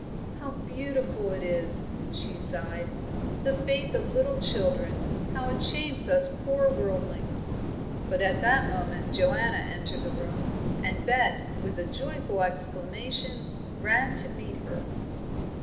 "How beautiful it is!" she sighed. "The faith of little children, how it shames us poor worldlings!" But at that moment Joanna entered the room, and Bet, with a joyful exclamation, ran to meet her.